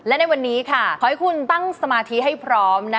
และในวันนี้ค่ะขอให้คุณตั้งสมาธิให้พร้อม